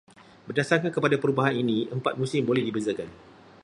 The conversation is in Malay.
Berdasarkan kepada perubahan ini, empat musim boleh dibezakan.